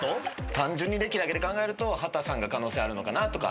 単純に歴だけで考えると秦さんが可能性あるのかなとか。